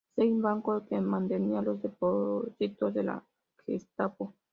Stein, banco que mantenía los depósitos de la Gestapo.